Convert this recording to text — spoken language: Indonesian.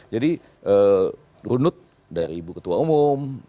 jadi runut dari ibu ketua umum